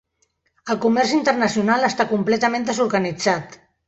El comerç internacional està completament desorganitzat.